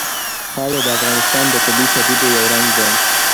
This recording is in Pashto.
خاوره د افغانستان د طبیعي پدیدو یو رنګ دی.